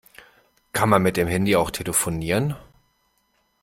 Kann man mit dem Handy auch telefonieren?